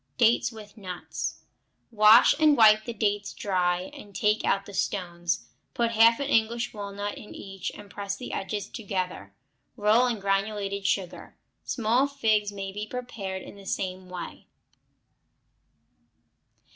Dates with Nuts Wash and wipe the dates dry, and take out the stones. Put half an English walnut in each and press the edges together; roll in granulated sugar. Small figs may be prepared in the same way.